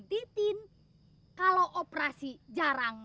baik aku pergi bang